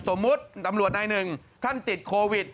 สมมุติตำรวจนายหนึ่งท่านติดโควิด